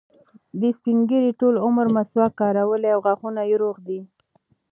دې سپین ږیري ټول عمر مسواک کارولی او غاښونه یې روغ دي.